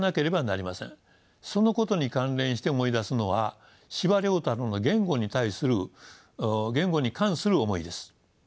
そのことに関連して思い出すのは司馬太郎の言語に関する思いです。